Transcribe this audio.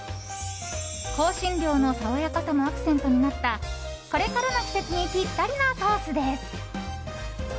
香辛料の爽やかさもアクセントになったこれからの季節にぴったりなソースです。